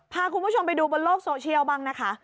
พาคุณผู้ชมไปดูบนโลกโซเชียลบ้างนะคะ